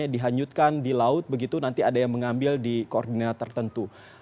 dihanyutkan di laut begitu nanti ada yang mengambil di koordinat tertentu